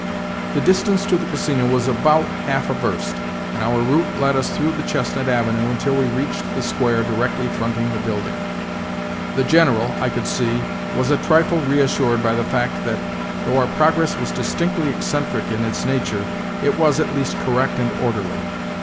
The distance to the Casino was about half a verst, and our route led us through the Chestnut Avenue until we reached the square directly fronting the building. The General, I could see, was a trifle reassured by the fact that, though our progress was distinctly eccentric in its nature, it was, at least, correct and orderly.